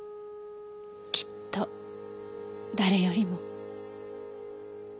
きっと誰よりも。